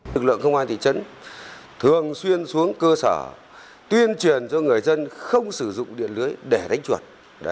lực lượng công an thị trấn thường xuyên xuống cơ sở tuyên truyền cho người dân không sử dụng điện lưới để đánh chuột